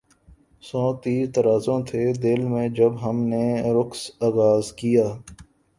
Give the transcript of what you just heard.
سو تیر ترازو تھے دل میں جب ہم نے رقص آغاز کیا